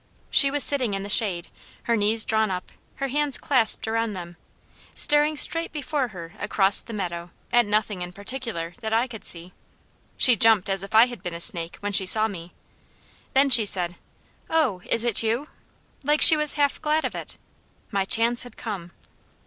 She was sitting in the shade, her knees drawn up, her hands clasped around them, staring straight before her across the meadow at nothing in particular, that I could see. She jumped as if I had been a snake when she saw me, then she said, "Oh, is it you?" like she was half glad of it. My chance had come.